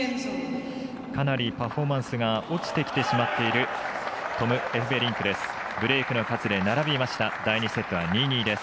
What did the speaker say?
かなりパフォーマンスが落ちてきてしまっているトム・エフベリンクです。